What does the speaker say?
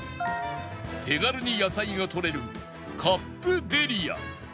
手軽に野菜がとれるカップデリや